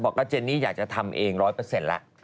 ก็บอกว่าเจนนี่อยากจะทำเองร้อยเปอร์เซ็นต์แล้ว